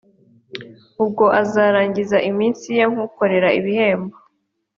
ubwo azarangiza iminsi ye nk ukorera ibihembo